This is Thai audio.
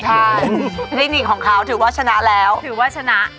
ค่ะเทคนิคของเขาถือว่าชนะแล้วที่กูจะชนะ